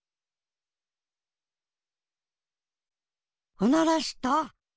おならした？